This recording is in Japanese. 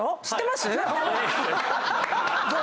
⁉どう？